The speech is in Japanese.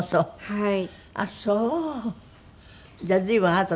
はい。